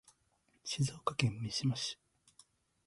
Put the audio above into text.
静岡県三島市